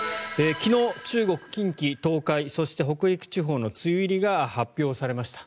昨日、中国、近畿、東海そして北陸地方の梅雨入りが発表されました。